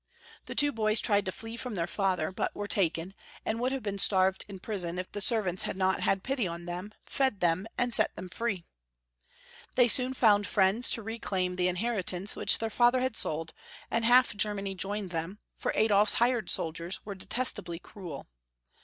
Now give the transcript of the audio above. The two boys tried to flee from their father, buti were taken, and would have been starved in prison if the servants had not had pity on them, fed them, and set them free. They soon found friends to reclaim the inherit ance which their father had sold, and half Germany joined them, for Adolf s hired soldiers were de testably cruel.